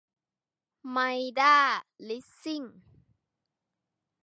ไมด้า ลิสซิ่ง